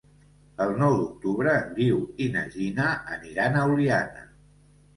El nou d'octubre en Guiu i na Gina aniran a Oliana.